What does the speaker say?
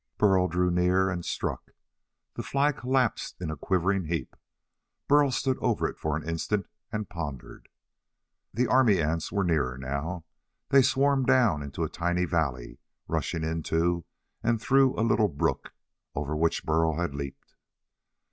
Burl drew near and struck. The fly collapsed in a quivering heap. Burl stood over it for an instant and pondered. The army ants were nearer, now. They swarmed down into a tiny valley, rushing into and through a little brook over which Burl had leaped.